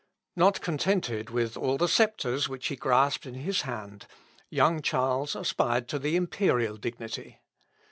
Not contented with all the sceptres which he grasped in his hand, young Charles aspired to the imperial dignity.